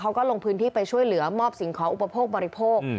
เขาก็ลงพื้นที่ไปช่วยเหลือมอบสิ่งของอุปโภคบริโภค